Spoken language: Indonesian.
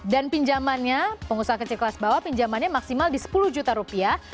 dan pinjamannya pengusaha kecil kelas bawah pinjamannya maksimal di sepuluh juta rupiah